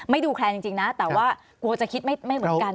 ดูแคลนจริงนะแต่ว่ากลัวจะคิดไม่เหมือนกัน